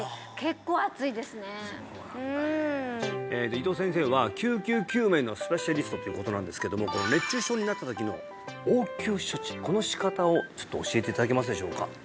伊藤先生は救急救命のスペシャリストっていうことなんですけども熱中症になった時の応急処置この仕方をちょっと教えていただけますでしょうか？